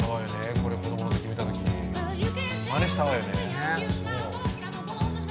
これ子どものとき見たときまねしたわよね。